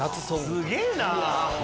すげぇな！